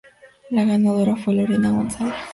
La ganadora fue Lorena González.